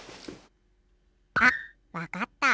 あっわかった。